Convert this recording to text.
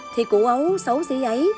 thì cụ ấu xấu dĩ ấy